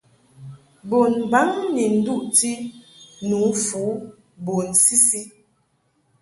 Bunbaŋ ni nduʼti nǔfu bun sisi.